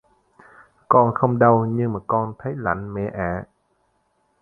Còn không đau nhưng mà con thấy lạnh mẹ ạ